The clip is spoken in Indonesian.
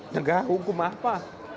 negara hukum apa